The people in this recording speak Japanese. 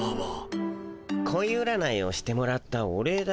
こい占いをしてもらったお礼だよ。